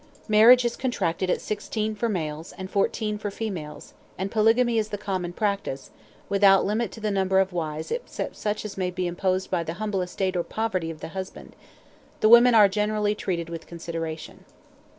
Marriage is contracted at sixteen for males, and fourteen for females, and polygamy is the common practice, without limit to the number of wives except such as may be imposed by the humble estate or poverty of the husband; the women are generally treated with consideration.